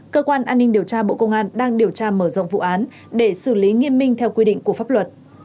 cơ quan an ninh điều tra bộ công an đang điều tra mở rộng vụ án để xử lý nghiêm minh theo quy định của pháp luật